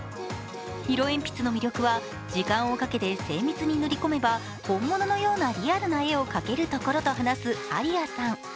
色鉛筆の魅力は時間をかけて精密に塗り込めば本物のようなリアルな絵を描けるところと話すＡＲＩＡさん